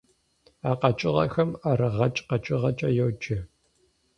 А къэкӀыгъэхэм ӀэрыгъэкӀ къэкӀыгъэкӀэ йоджэ.